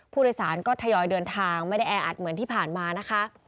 ผู้โดยสารก็ทยอยเดินทางไม่ได้แออัดเหมือนที่ผ่านมานะคะ